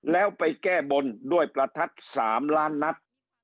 แล้วไปแก้บนด้วยประทัด๓ล้านนัด